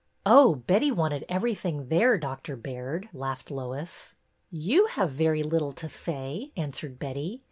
'' Oh, Betty wanted everything there. Doctor Baird," laughed Lois. You have very little to say," answered Betty.